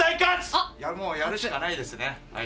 もうやるしかないですね。